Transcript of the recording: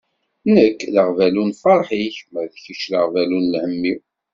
Nekk d aɣbalu n lferḥ-ik, ma d kečč d aɣbalu n lhemm-iw.